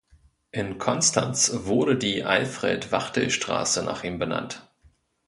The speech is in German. In Konstanz wurde die „Alfred Wachtel-Straße“ nach ihm benannt.